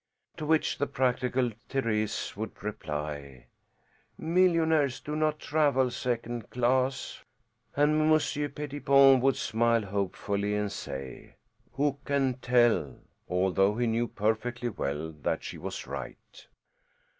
To which the practical Thérèse would reply, "Millionaires do not travel second class." And Monsieur Pettipon would smile hopefully and say "Who can tell?" although he knew perfectly well that she was right.